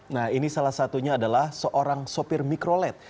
nah ini salah satunya adalah seorang sopir mikrolet